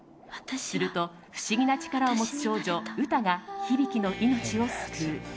すると、不思議な力を持つ少女ウタがヒビキの命を救う。